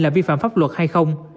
là vi phạm pháp luật hay không